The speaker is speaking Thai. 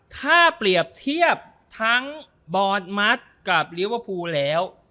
ถ้าเปรียบเทียบทั้งบอสมัสกับเลี้ยวภูแล้ว